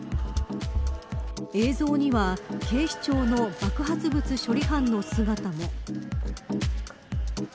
映像には、警視庁の爆発物処理班の姿も。